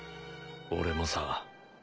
俺もさ。